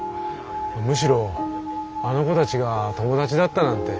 むしろあの子たちが友達だったなんて。